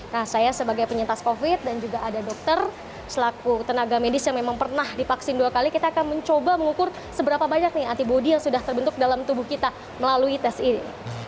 nah saya sebagai penyintas covid dan juga ada dokter selaku tenaga medis yang memang pernah divaksin dua kali kita akan mencoba mengukur seberapa banyak nih antibody yang sudah terbentuk dalam tubuh kita melalui tes ini